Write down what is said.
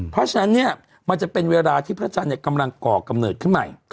เพราะฉะนั้นเนี่ยมันจะเป็นเวลาที่พระจันทร์กำลังก่อกำเนิดขึ้นใหม่